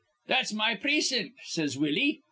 'That's my precin't,' says Willie.